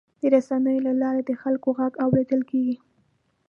د رسنیو له لارې د خلکو غږ اورېدل کېږي.